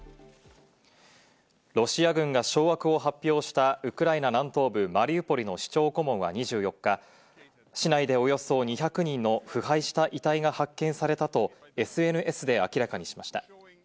ロシア軍が掌握を発表したウクライナ南東部マリウポリの市長顧問は２４日、市内でおよそ２００人の腐敗した遺体が発見されたとＳＮＳで明らかにしました。